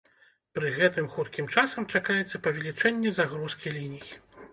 Пры гэтым хуткім часам чакаецца павелічэнне загрузкі ліній.